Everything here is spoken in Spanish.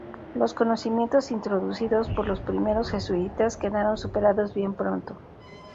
Los conocimientos introducidos por los primeros jesuitas quedaron superados bien pronto.